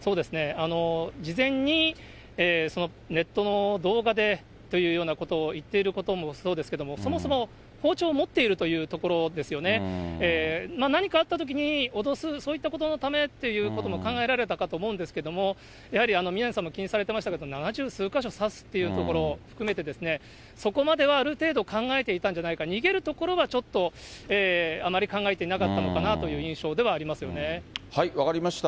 そうですね、事前にネットの動画でというようなことを言っていることもそうですけども、そもそも包丁を持っているところですよね、何かあったときに脅す、そういったことのためってことも考えられたかと思うんですけれども、やはり宮根さんも気にされてましたけど、七十数か所刺すっていうところ含めて、そこまではある程度考えていたんじゃないかと、逃げる所はちょっとあまり考えていなかったのかなという印象では分かりました。